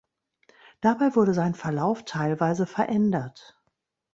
Dabei wurde sein Verlauf teilweise verändert.